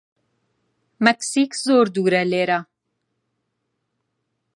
مەکسیک زۆر دوورە لێرە.